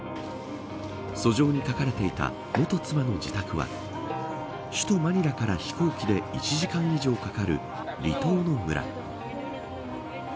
訴状に書かれていた元妻の自宅は首都マニラから飛行機で１時間以上かかる離島の村。